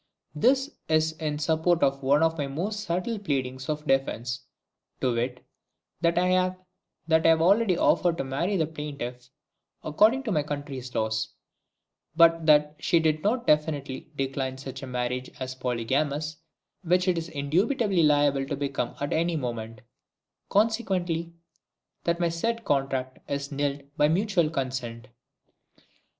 This is in support of one of my most subtle pleadings of defence, to wit, that I have already offered to marry the plaintiff according to my country's laws, but that she did definitely decline such a marriage as polygamous (which it is indubitably liable to become at any moment), consequently, that my said contract is nilled by mutual consent.